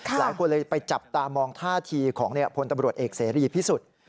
หลายคนเลยไปจับตามองท่าทีของพลตำรวจเอกเสรีพิสุทธิ์